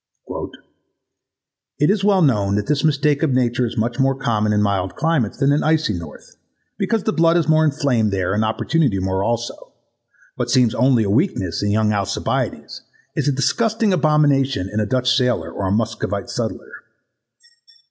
[Ovid, Metamorphoses, X, 84 85. Ed] "It is well known that this mistake of nature is much more common in mild climates than in the icy north, because the blood is more inflamed there and opportunity more also, what seems only a weakness in young Alcibiades is a disgusting abomination in a Dutch sailor or a Muscovite subtler."